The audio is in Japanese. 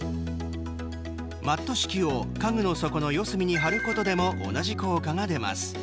マット式を家具の底の四隅に貼ることでも同じ効果が出ます。